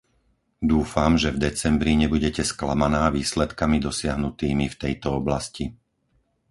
Dúfam, že v decembri nebudete sklamaná výsledkami dosiahnutými v tejto oblasti.